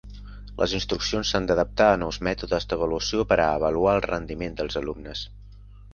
Les instruccions s'han d'adaptar a nous mètodes d'avaluació per a avaluar el rendiment dels alumnes.